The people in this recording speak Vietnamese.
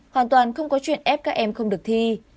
hoàn toàn không có chuyện ép các em không được thi